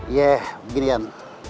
iya begini ian